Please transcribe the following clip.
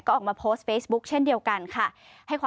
ก็ออกมาโพสต์เฟซบุ๊คเช่นเดียวกันค่ะ